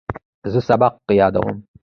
زه سبق یادوم.